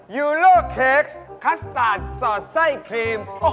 ยูโลเค้กคัสตาร์ทสอดไส้ครีม